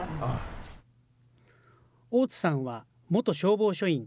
大津さんは元消防署員。